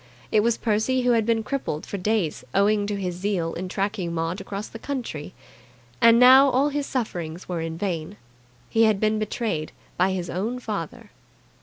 It was Percy who had been crippled for days owing to his zeal in tracking Maud across country. And now all his sufferings were in vain. He had been betrayed by his own father.